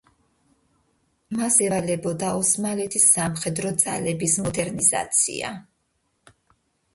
მას ევალებოდა ოსმალეთის სამხედრო ძალების მოდერნიზაცია.